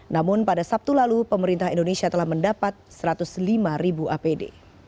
namun pada sabtu lalu pemerintah indonesia telah mendapat satu ratus lima ribu apd